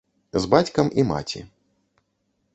З бацькам і маці.